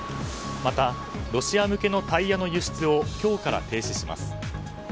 またロシア向けのタイヤの輸出を今日から停止します。